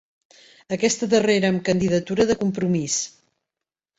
Aquesta darrera amb candidatura de Compromís.